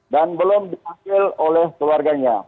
dan belum diambil oleh keluarganya